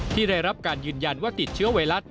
ได้รับการยืนยันว่าติดเชื้อไวรัส